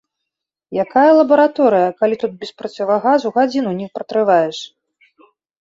Якая лабараторыя, калі тут без процівагаза гадзіну не пратрываеш!